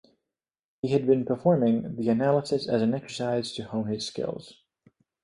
He had been performing the analysis as an exercise to hone his skills.